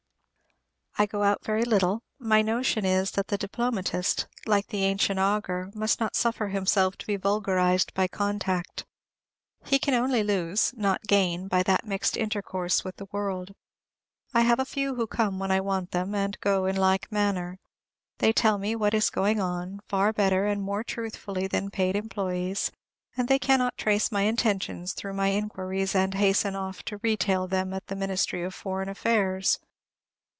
I go out very little; my notion is, that the Diplomatist, like the ancient Augur, must not suffer himself to be vulgarized by contact. He can only lose, not gain, by that mixed intercourse with the world. I have a few who come when I want them, and go in like manner. They tell me "what is going on," far better and more truthfully than paid employees, and they cannot trace my intentions through my inquiries, and hasten off to retail them at the Ministry of Foreign Affairs.